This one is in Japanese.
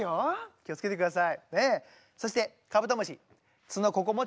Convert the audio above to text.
気を付けてください。